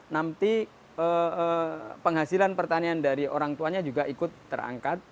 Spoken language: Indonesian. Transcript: nanti penghasilan pertanian dari orang tuanya juga ikut terangkat